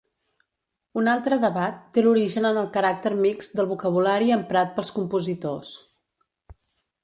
Un altre debat té l'origen en el caràcter mixt del vocabulari emprat pels compositors.